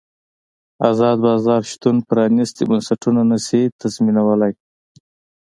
ازاد بازار شتون پرانیستي بنسټونه نه شي تضمینولی.